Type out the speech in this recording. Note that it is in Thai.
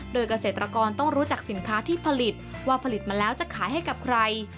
โดยเกษตรกรต้องรู้จักสินค้าที่ผลิตว่าผลิตมาแล้วจะขายให้กับใคร